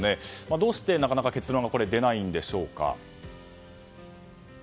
どうして、なかなか結論が出ないんでしょうか。